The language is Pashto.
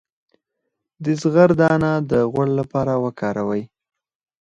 د زغر دانه د غوړ لپاره وکاروئ